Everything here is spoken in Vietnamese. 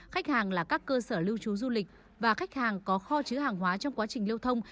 khách hàng là các cơ sở lưu trú du lịch và khách hàng có kho chứa hàng hóa trong quá trình lưu thông